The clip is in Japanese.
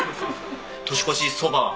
年越しそば